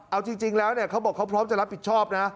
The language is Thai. เอาจริงแล้วเขาบอกเขาพร้อมจะรับผิดชอบนะ